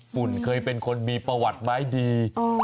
ฝุ่นเคยเป็นคนมีประวัติไม้ดี